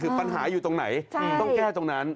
คือปัญหาอยู่ตรงไหนต้องแก้ตรงนั้น